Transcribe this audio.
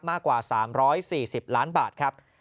มากกว่า๓๔๐ล้านบาทครับ